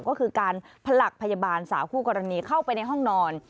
ก็คือการผลักพยาบาลสาวคู่กรณีเข้าไปในห้องนอน